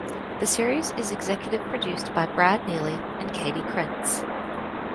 The series is executive produced by Brad Neely and Katie Krentz.